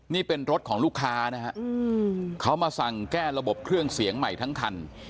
นี่เป็นรถของลูกค้านะฮะเขามาสั่งแก้ระบบเครื่องเสียงใหม่ทั้งคัน